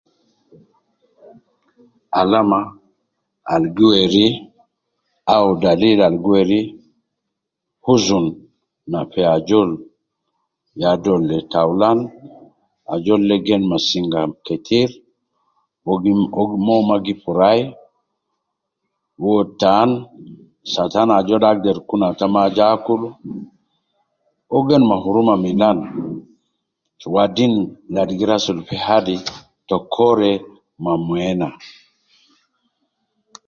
Alama al gi weri au dalil al gi weri huzun na fi ajol ya dolde ah taulan ajol de gen ma singa ketir, uwo gim uwo magi furayi, uwo tan, satan ajol de ata maju akul, uwo gigen me huruma milan, wadin ladi gi lasul fi hadi ta koore ma moyo ena